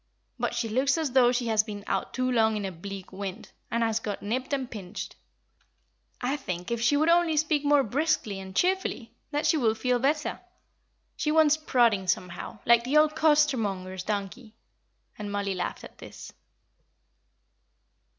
But she looks as though she has been out too long in a bleak wind, and has got nipped and pinched. I think if she would only speak more briskly and cheerfully, that she would feel better; she wants prodding, somehow, like the old coster monger's donkey;" and Mollie laughed at this.